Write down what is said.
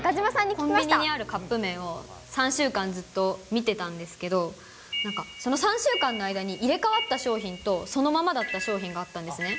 コンビニにあるカップ麺を、３週間ずっと見てたんですけれども、なんか、その３週間の間に入れ代わった商品とそのままだった商品があったんですね。